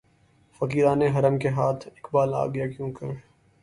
فقیران حرم کے ہاتھ اقبالؔ آ گیا کیونکر